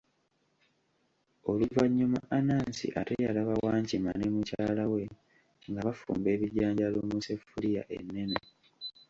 Oluvannyuma Anansi ate yalaba Wankima ne mukyala we nga bafumba ebijanjaalo mu sseffuliya ennene.